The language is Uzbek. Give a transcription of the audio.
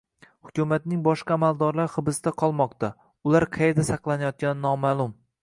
Hukumatning boshqa amaldorlari hibsda qolmoqda, ular qayerda saqlanayotgani noma’lum